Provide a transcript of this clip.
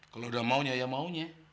kalau udah maunya ya maunya